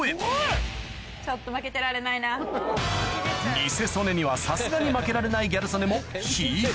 ニセ曽根にはさすがに負けられないギャル曽根もんっ！